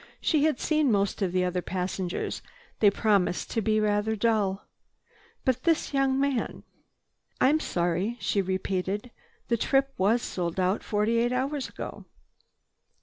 She had seen most of the other passengers. They promised to be rather dull. But this young man—"I'm sorry," she repeated. "The trip was sold out forty eight hours ago."